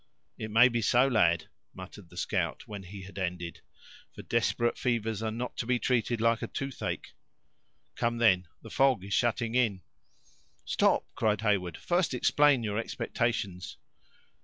"It may be so, lad," muttered the scout, when he had ended; "for desperate fevers are not to be treated like a toothache. Come, then, the fog is shutting in." "Stop!" cried Heyward; "first explain your expectations."